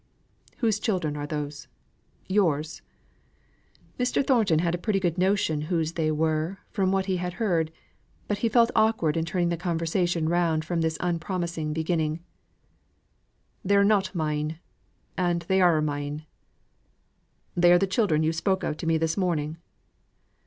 "Whose children are those yours?" Mr. Thornton had a pretty good notion whose they were, from what he had heard; but he felt awkward in turning the conversation round from this unpromising beginning. "They're not mine, and they are mine." "They are the children you spoke of to me this morning?"